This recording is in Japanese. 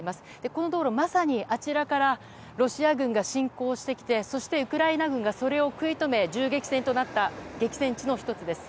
この道路はまさにあちらからロシア軍が侵攻してきて、そしてウクライナ軍がそれを食い止め銃撃戦となった激戦地の１つです。